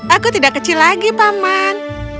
aku tidak kecil lagi paman